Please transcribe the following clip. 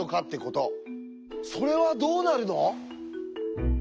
それはどうなるの？